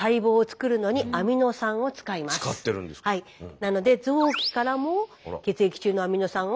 なので臓器からも血液中のアミノ酸をいっただき！